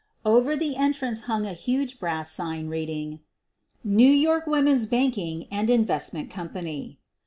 Over the entrance hung a huge brass sign reading, "New York Women's Banking and Investment Company."